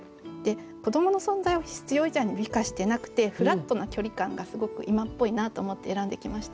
子どもの存在を必要以上に美化してなくてフラットな距離感がすごく今っぽいなと思って選んできました。